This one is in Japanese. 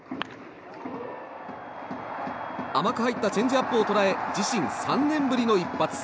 甘く入ったチェンジアップを捉え自身３年ぶりの一発。